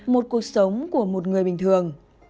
một cuộc sống của một người bình thường